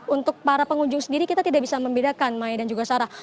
untuk para pengunjung sendiri kita tidak bisa membedakan maya dan juga sarah